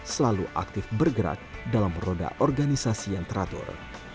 selalu aktif bergerak dalam roda organisasi yang teratur